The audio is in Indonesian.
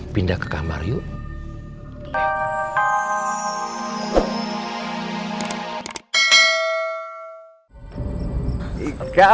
pindah ke kamar yuk